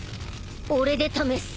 俺で試す！